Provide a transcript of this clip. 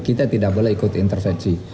kita tidak boleh ikut intervensi